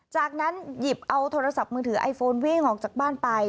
จากนั้นหยิบเอาโทรศัพท์มือถือไอโฟนวิ่งออกจากบ้านไป